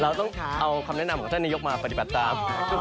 เราต้องเอาคำแนะนำของท่านนายกมาปฏิบัติตาม